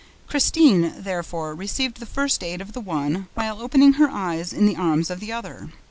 Christine, therefore, received the first aid of the one, while opening her eyes in the arms of the other.